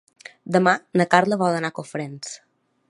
Demà na Carla vol anar a Cofrents.